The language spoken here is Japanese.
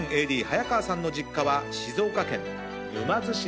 ＡＤ早川さんの実家は。